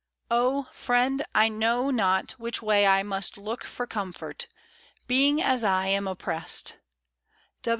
Oh ! Friend, I know not which way I must look For comfort, being as I am oppressed.